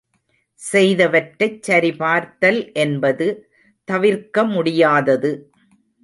செய்தவற்றைச் சரிபார்த்தல் என்பது தவிர்க்க முடியாதது.